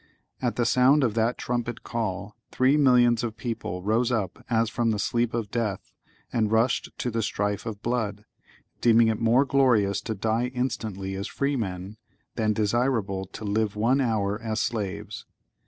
At the sound of that trumpet call, three millions of people rose up as from the sleep of death, and rushed to the strife of blood; deeming it more glorious to die instantly as freemen, than desirable to live one hour as slaves.